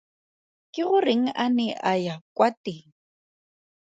Ke goreng a ne a ya kwa teng?